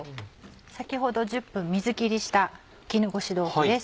先ほど１０分水切りした絹ごし豆腐です。